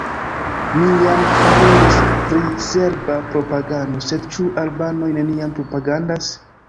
Mi jam parolis pri serba propagando – sed ĉu albanoj neniam propagandas?